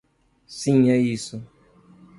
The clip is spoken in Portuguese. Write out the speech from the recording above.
Sim é isso.